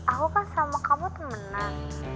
aku kan sama kamu temenan